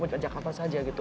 punca jakarta saja gitu